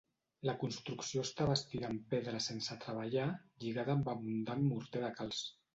La construcció està bastida amb pedra sense treballar lligada amb abundant morter de calç.